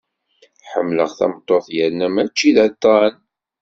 Ḥemmleɣ tameṭṭut yerna mačči d aṭṭan.